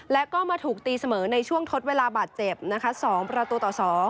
และก็มาถูกตีเสมอในช่วงทดเวลาบาดเจ็บนะคะ๒ประตูต่อ๒